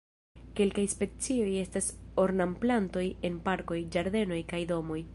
Kelkaj specioj estas ornamplantoj en parkoj, ĝardenoj kaj domoj.